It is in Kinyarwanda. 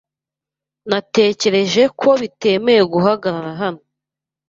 Natekereje ko bitemewe guhagarara hano.